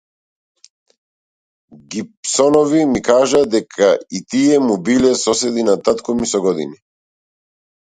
Гибсонови ми кажаа дека и тие му биле соседи на татко ми со години.